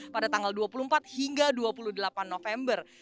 pada tanggal dua puluh empat hingga dua puluh delapan november